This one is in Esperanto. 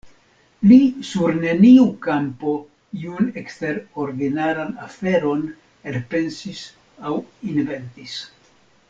Li sur neniu kampo iun eksterordinaran aferon elpensis aŭ inventis.